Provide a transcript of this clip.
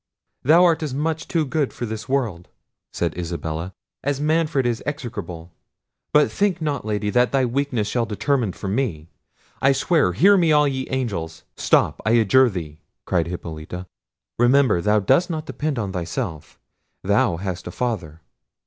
"Thou art as much too good for this world," said Isabella, "as Manfred is execrable; but think not, lady, that thy weakness shall determine for me. I swear, hear me all ye angels—" "Stop, I adjure thee," cried Hippolita: "remember thou dost not depend on thyself; thou hast a father."